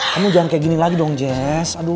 kamu jangan kayak gini lagi dong jazz